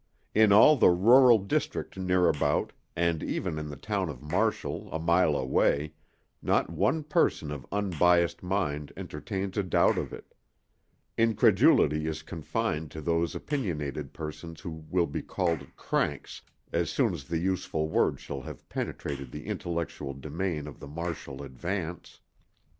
In all the rural district near about, and even in the town of Marshall, a mile away, not one person of unbiased mind entertains a doubt of it; incredulity is confined to those opinionated persons who will be called "cranks" as soon as the useful word shall have penetrated the intellectual demesne of the Marshall Advance.